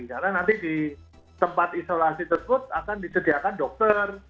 karena nanti di tempat isolasi tersebut akan disediakan dokter